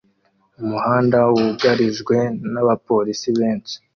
Umuhanda wugarijwe n'abapolisi benshi